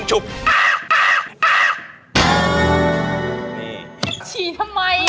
ฉี่ทำไม